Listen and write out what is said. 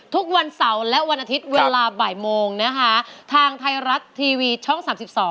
ทุกวันเสาร์และวันอาทิตย์เวลาบ่ายโมงนะคะทางไทยรัฐทีวีช่อง๓๒